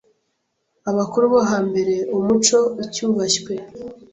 Abakuru bo hambere umuco ucyubashywe,